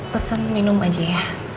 pesen minum aja ya